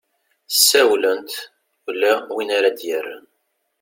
ssawlent ula win ara ad-yerren